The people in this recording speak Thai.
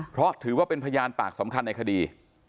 เพราะถือว่าเป็นพยานปากสำคัญในคดี